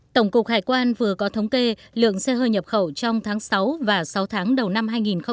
tổng cục hải quan vừa có thống kê lượng xe hơi nhập khẩu trong tháng sáu và sáu tháng đầu năm hai nghìn hai mươi